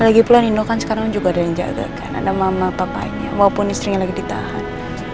lagi pula nindo kan sekarang juga ada yang jaga kan ada mama papanya walaupun istrinya lagi ditahan